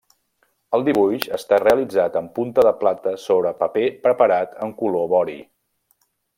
El dibuix està realitzat en punta de plata sobre paper preparat en color vori.